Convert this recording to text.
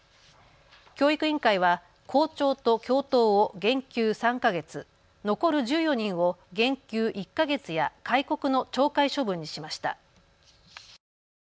教育委員会は校長と教頭を減給３か月、残る１４人を減給１か月や戒告の懲戒処分にしました。